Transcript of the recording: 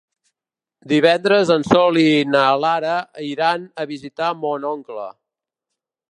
Divendres en Sol i na Lara iran a visitar mon oncle.